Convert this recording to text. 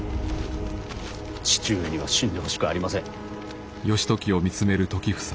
父上には死んでほしくありません。